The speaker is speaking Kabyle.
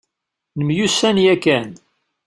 Nemyussan yakan.